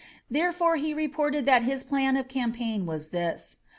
Therefore he reported that his plan of campaign was this.